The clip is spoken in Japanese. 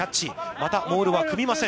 またモールは組みません。